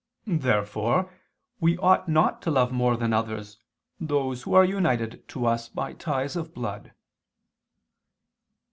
Therefore we ought not to love more than others those who are united to us by ties of blood.